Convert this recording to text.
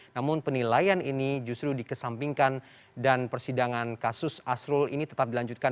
namun penilaian ini justru dikesampingkan dan persidangan kasus asrul ini tetap dilanjutkan